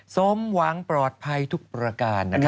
สมหวังปลอดภัยทุกประการนะครับ